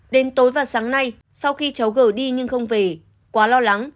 đến tối và sáng nay sau khi cháu gờ đi nhưng không về quá lo lắng